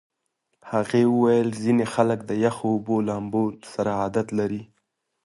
هغې وویل ځینې خلک د یخو اوبو لامبو سره عادت لري.